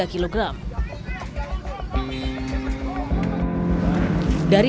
pembelian warga menambah bergelas